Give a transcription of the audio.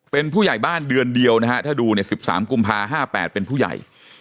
เป็นผู้ใหญ่บ้านเดือนเดียวนะฮะถ้าดูเนี่ย๑๓กุมภา๕๘เป็นผู้ใหญ่